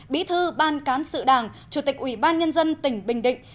bí thư ban cán sự đảng chủ tịch ủy ban nhân dân tỉnh bình định